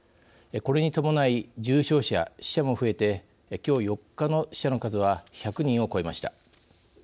これに伴い重症者、死者も増えてきょう、４日の死者の数は１００人を超えました。